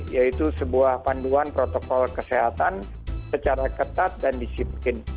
yaitu sebuah panduan protokol kesehatan secara ketat dan disiplin